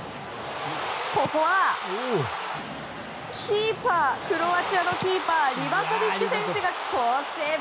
ここはクロアチアのキーパーリバコビッチ選手が好セーブ。